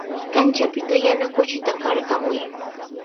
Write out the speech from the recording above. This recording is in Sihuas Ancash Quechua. Kanchapita yana kuchita qarqamuy.